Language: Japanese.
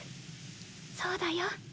そうだよ。